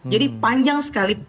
jadi panjang sekali